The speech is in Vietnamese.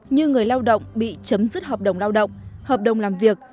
như người lao động bị chấm dứt hợp đồng lao động hợp đồng làm việc